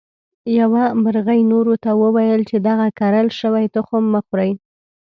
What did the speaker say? یوه مرغۍ نورو ته وویل چې دغه کرل شوي تخم مه خورئ.